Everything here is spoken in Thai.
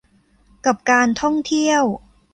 กับการท่องเที่ยว